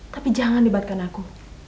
tapi jangan dibatkan aku